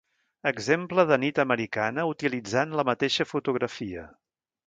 Exemple de nit americana utilitzant la mateixa fotografia.